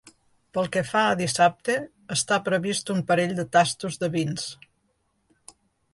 Pel que fa a dissabte està previst un parell de tastos de vins.